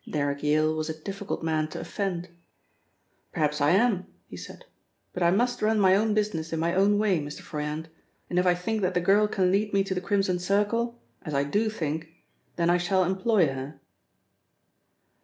Derrick Yale was a difficult man to offend. "Perhaps I am," he said, "but I must run my own business in my own way, Mr. Froyant, and if I think that the girl can lead me to the Crimson Circle as I do think then I shall employ her."